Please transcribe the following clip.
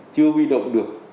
chưa huy động được